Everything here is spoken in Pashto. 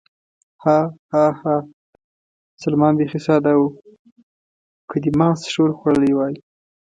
ها، ها، ها، سلمان بېخي ساده و، که دې محض ښور خوړلی وای.